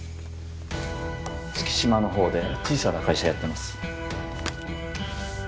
月島の方で小さな会社やってます。